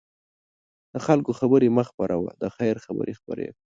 د خلکو خبرې مه خپره وه، د خیر خبرې خپره کړه.